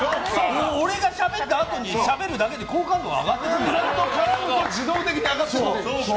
俺がしゃべったあとにしゃべるだけで好感度は絡むと自動的に上がっていくんだ。